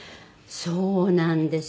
そうなんですよ。